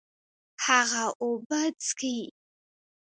هغه اوبه څښي